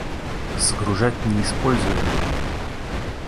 Сгружать неиспользуемые